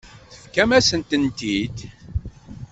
Tefkamt-asen-tent-id.